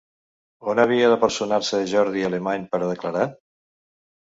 On havia de personar-se Jordi Alemany per a declarar?